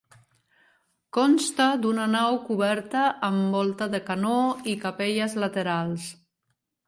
Consta d'una nau coberta amb volta de canó i capelles laterals.